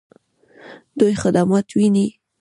دوی خدمات ویني؟